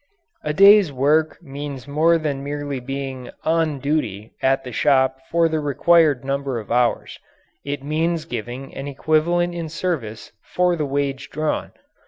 A day's work means more than merely being "on duty" at the shop for the required number of hours. It means giving an equivalent in service for the wage drawn.